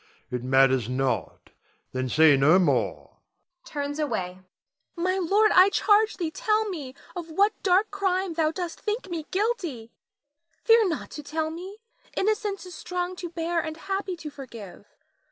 It matters not, then say no more [turns away]. Nina. My lord, I charge thee tell me of what dark crime thou dost think me guilty! Fear not to tell me; innocence is strong to bear and happy to forgive.